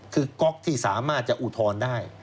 คือก๊อกที่สามารถจะอุทธรณ์ได้